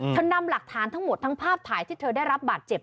นำหลักฐานทั้งหมดทั้งภาพถ่ายที่เธอได้รับบาดเจ็บ